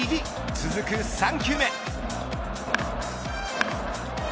続く３球目。